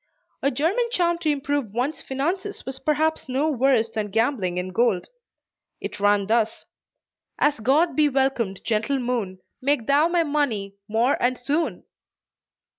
A German charm to improve one's finances was perhaps no worse than gambling in gold. It ran thus: "As God be welcomed, gentle moon Make thou my money more and soon!"